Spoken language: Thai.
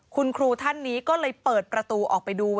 คุณครูท่านนี้ก็เลยเปิดประตูออกไปดู